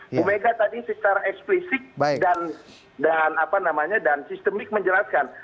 bu mega tadi secara eksplisit dan sistemik menjelaskan